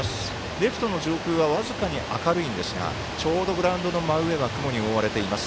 レフトの上空は僅かに明るいんですがちょうどグラウンドの真上は雲に覆われています。